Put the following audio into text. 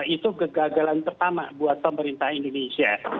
itu kegagalan pertama buat pemerintah indonesia